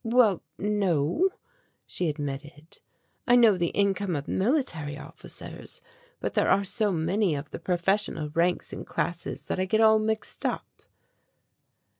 "Well, no," she admitted, "I know the income of military officers, but there are so many of the professional ranks and classes that I get all mixed up."